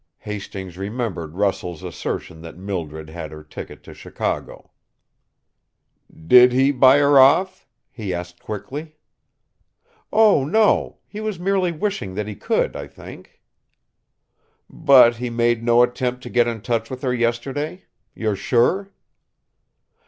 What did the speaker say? Hastings remembered Russell's assertion that Mildred had her ticket to Chicago. "Did he buy her off?" he asked quickly. "Oh, no; he was merely wishing that he could, I think." "But he made no attempt to get in touch with her yesterday? You're sure?"